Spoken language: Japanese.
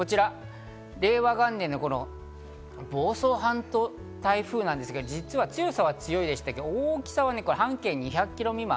令和元年の房総半島台風なんですけれども、実は強さは強い、で、大きさは半径２００キロ未満。